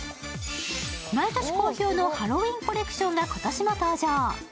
毎年好評のハロウィンコレクションが今年も登場。